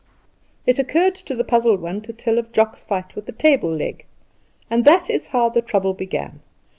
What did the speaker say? it occurred to the Puzzled One to tell of Jock's fight with the table leg. And that is how the trouble began.